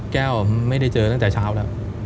แก้วไม่ได้เจอตั้งแต่เช้าแล้ว